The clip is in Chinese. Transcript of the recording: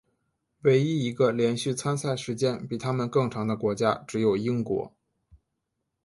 唯一一个连续参赛时间比他们更长的国家只有英国。